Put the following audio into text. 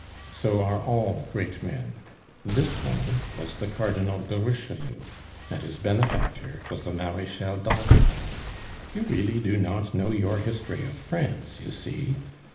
"So are all great men; this one was the Cardinal de Richelieu, and his benefactor was the Marechal d'Ancre. You really do not know your history of France, you see.